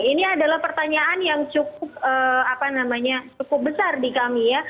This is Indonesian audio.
ini adalah pertanyaan yang cukup besar di kami ya